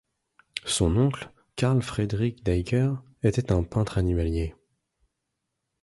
Son oncle, Carl Friedrich Deiker, était un peintre animalier.